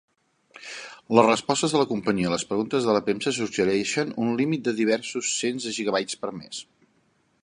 Les respostes de la companyia a las preguntes de la premsa suggereixen un límit de diversos cents de gigabytes per mes.